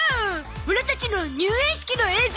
オラたちの入園式の映像！